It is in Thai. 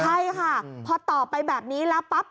ใช่ค่ะพอต่อไปแบบนี้แล้วปั๊บ